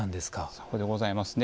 さようでございますね。